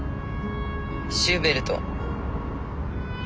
シューベルト？